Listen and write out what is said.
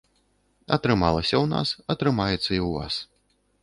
Атрымалася ў нас, атрымаецца і ў вас.